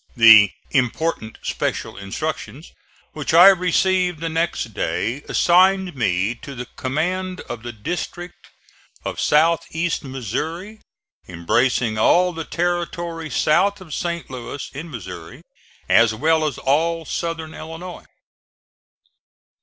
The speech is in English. The "important special instructions" which I received the next day, assigned me to the command of the district of south east Missouri, embracing all the territory south of St. Louis, in Missouri, as well as all southern Illinois.